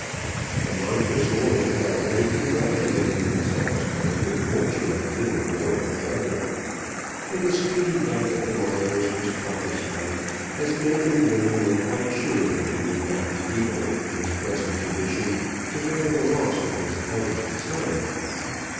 The Montressors had already congratulated themselves on the good fortune of little Lord Frederic; and the speedy death of the Marquis was prophesied, as men and women were quite sure that he would not be able in his present condition to bear the loss of his eldest son.